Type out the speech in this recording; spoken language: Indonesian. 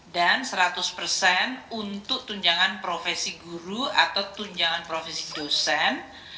dan seratus untuk tunjangan profesi guru atau tunjangan profesi dosen